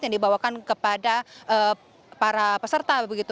yang dibawakan kepada para peserta begitu